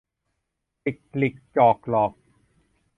จิกลิกจอกหลอก